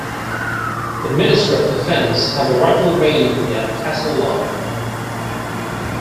The Ministry of Defence have a rifle range at Castlelaw.